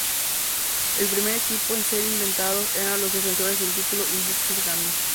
El primer equipo en ser invitados eran los defensores del título, Invictus Gaming.